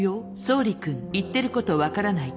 「総理君言ってること分からない」